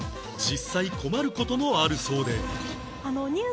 実際困る事もあるそうで